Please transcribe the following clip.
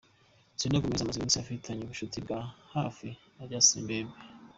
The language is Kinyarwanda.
Selena Gomez amaze iminsi afitanye ubucuti bwa hafi na Justin Bieber.